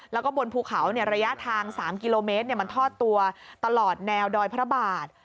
แล้วก็บนภูเขาระยะทาง๓กิโลเมตรมันทอดตัวตลอดแนวดอยพระบาท